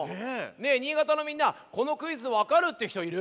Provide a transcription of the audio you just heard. ねえ新潟のみんなこのクイズわかるってひといる？